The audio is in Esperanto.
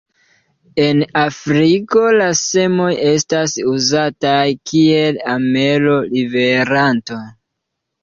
En Afriko la semoj estas uzataj kiel amelo-liveranto.